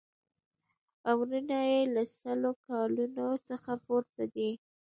عمرونه یې له سلو کالونو څخه پورته دي.